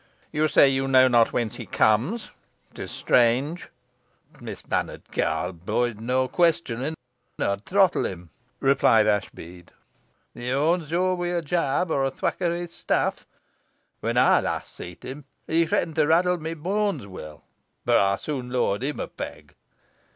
"You say you know not whence he comes? 'Tis strange." "T' missmannert carl'll boide naw questionin', odd rottle him!" replied Ashbead. "He awnsurs wi' a gibe, or a thwack o' his staff. Whon ey last seet him, he threatened t' raddle me booans weel, boh ey sooan lowert him a peg."